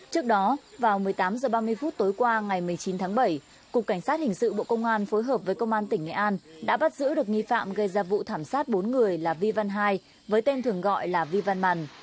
trước đó vào một mươi tám h ba mươi phút tối qua ngày một mươi chín tháng bảy cục cảnh sát hình sự bộ công an phối hợp với công an tỉnh nghệ an đã bắt giữ được nghi phạm gây ra vụ thảm sát bốn người là vi văn hai với tên thường gọi là vi văn màn